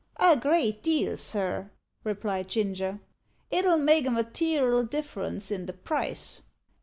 "A great deal, sir," replied Ginger; "it'll make a mater'al difference in the price.